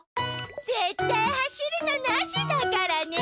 ぜったいはしるのなしだからね！